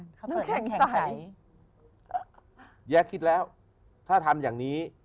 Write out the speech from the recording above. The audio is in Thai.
น้องแข็งใสแย้คิดแล้วถ้าทำอย่างนี้